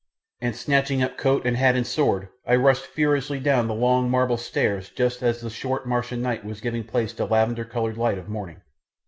And snatching up coat and hat and sword I rushed furiously down the long, marble stairs just as the short Martian night was giving place to lavender coloured light of morning.